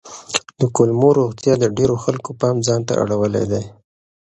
د کولمو روغتیا د ډېرو خلکو پام ځان ته اړولی دی.